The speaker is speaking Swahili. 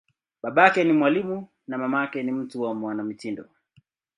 Babake ni mwalimu, na mamake ni mtu wa mwanamitindo.